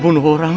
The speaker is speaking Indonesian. lo mau kemana